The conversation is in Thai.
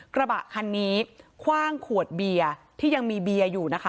กระบะคันนี้คว่างขวดเบียร์ที่ยังมีเบียร์อยู่นะคะ